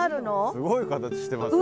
すごい形してますね。